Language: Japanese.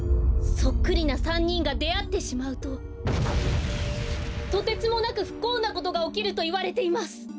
そっくりな３にんがであってしまうととてつもなくふこうなことがおきるといわれています。